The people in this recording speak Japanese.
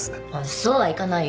そうはいかないよ。